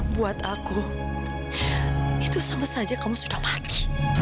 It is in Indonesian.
buat aku itu sama saja kamu sudah paci